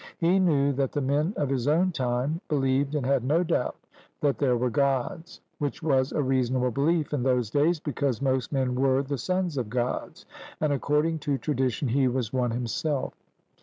He knew that the men of his own time believed and had no doubt that there were Gods, which was a reasonable belief in those days, because most men were the sons of Gods, and according to tradition he was one himself.